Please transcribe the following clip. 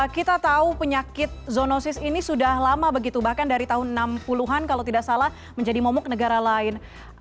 kita tahu penyakit zoonosis ini sudah lama begitu bahkan dari tahun enam puluh an kalau tidak salah menjadi momok negara lain